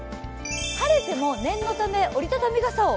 晴れても念のため折り畳み傘を。